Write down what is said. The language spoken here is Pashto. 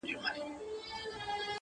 د عرب خبره زړه ته سوله تېره٫